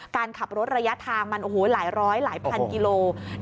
การขับรถระยะทางมันโอ้โหหลายร้อยหลายพันกิโล